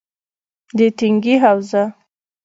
- د تنگي حوزه: